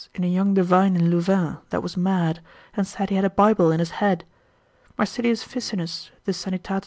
13, in a young divine in Louvain, that was mad, and said he had a Bible in his head: Marsilius Ficinus de sanit.